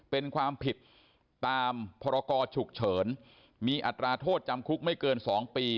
เป็นความผิดตามพรกรฉุกเฉินมีอัตราโทษจำคุกไม่เกิน๒ปี